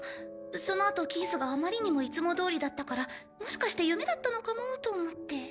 そのあとキースがあまりにもいつもどおりだったからもしかして夢だったのかもと思って。